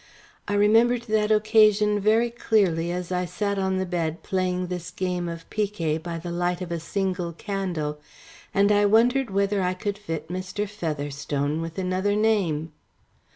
I remembered that occasion very clearly as I sat on the bed playing this game of picquet by the light of a single candle, and I wondered whether I could fit Mr. Featherstone with another name.